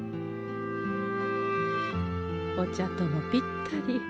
お茶ともぴったり。